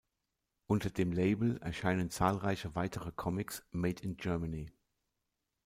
Unter dem Label erscheinen zahlreiche weitere Comics „made in Germany“.